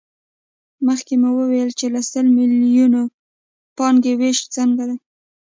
مخکې مو وویل چې له سل میلیونو پانګې وېش څنګه دی